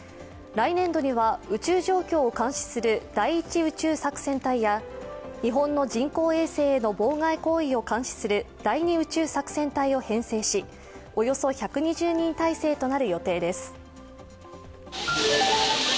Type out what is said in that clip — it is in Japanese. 来年度には宇宙状況を監視する第１宇宙作戦隊や、日本の人工衛星への妨害行為を監視する第２宇宙作戦隊を編成しおよそ１２０人体制となる予定です。